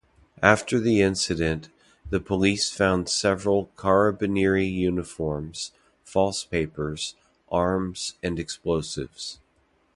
After the incident, the police found several Carabinieri uniforms, false papers, arms and explosives.